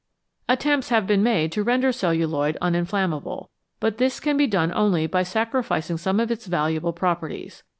Attempts have been made to render celluloid un inflammable, but this can be done only by sacrificing some of its valuable properties.